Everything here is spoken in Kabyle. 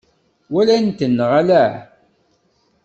Walant-ten neɣ ala?